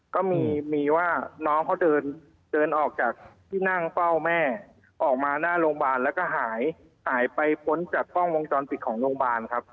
ก็มีว่าน้องเขาเดินเดินออกจากที่นั่งเฝ้าแม่ออกมาหน้าโรงพยาบาลแล้วก็หายหายไปพ้นจากกล้องวงจรปิดของโรงพยาบาลครับ